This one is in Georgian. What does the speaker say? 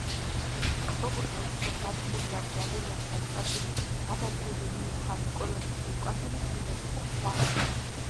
როგორც რეჟისორს დადგმული აქვს ვალერიან შალიკაშვილის „გადაჭრილი მუხა“, ნიკოლოზ შიუკაშვილის „სულელი“ და სხვა.